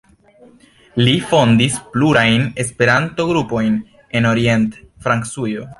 Li fondis plurajn Esperanto-grupojn en Orient-Francujo.